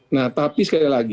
nah tapi sekali lagi